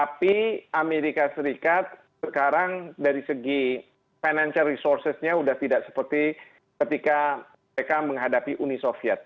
tapi amerika serikat sekarang dari segi financial resourcesnya sudah tidak seperti ketika mereka menghadapi uni soviet